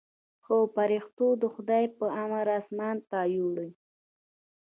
خو پرښتو د خداى په امر اسمان ته يووړ.